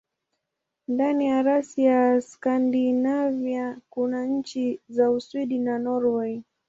Ndani ya rasi ya Skandinavia kuna nchi za Uswidi na Norwei.